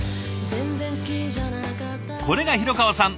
これが廣川さん